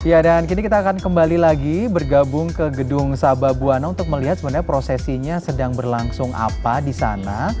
ya dan kini kita akan kembali lagi bergabung ke gedung sabah buwana untuk melihat sebenarnya prosesinya sedang berlangsung apa di sana